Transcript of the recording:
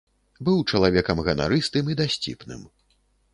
Быў чалавекам ганарыстым і дасціпным.